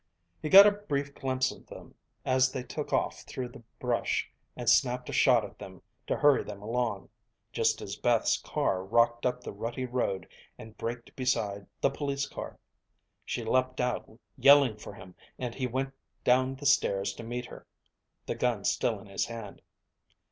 He got a brief glimpse of them as they took off through the brush and snapped a shot at them to hurry them along, just as Beth's car rocked up the rutty road and braked beside the police car. She leaped out yelling for him and he went down the stairs to meet her, the gun still in his hand.